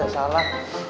surprise ya salah